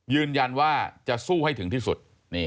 ยืนยันว่าจะสู้ให้ถึงที่สุด